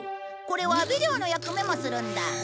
これはビデオの役目もするんだ。